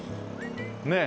ねえ。